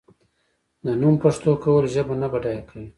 د نوم پښتو کول ژبه نه بډای کوي.